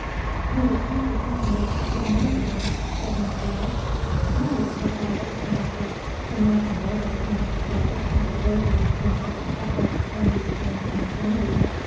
'" "You repeat the sentiments of a madman," said Miss Vere. "No," replied her conductor, "unless a morbid and excessive sensibility on such a subject can be termed insanity.